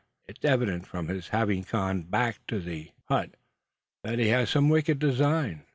It's evident, from his having gone back to our hut, that he has some wicked design.